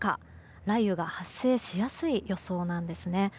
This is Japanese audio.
雷雨が発生しやすい予想なんですね。